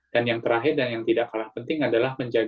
dan yang terakhir dan yang tidak kalah penting adalah